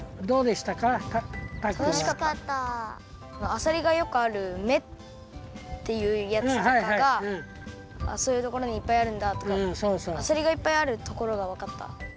あさりがよくある目っていうやつとかがそういうところにいっぱいあるんだとかあさりがいっぱいあるところがわかった。